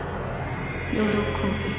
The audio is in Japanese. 喜び。